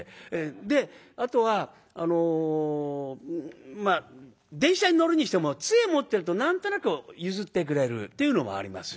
であとはあのまあ電車に乗るにしても杖持ってると何となく譲ってくれるっていうのもありますし。